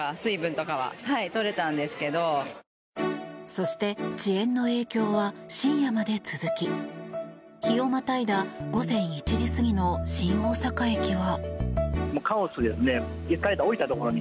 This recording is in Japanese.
そして、遅延の影響は深夜まで続き日をまたいだ午前１時過ぎの新大阪駅は。